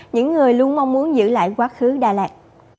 những người luôn mong muốn giữ lại quá khứ đà lạt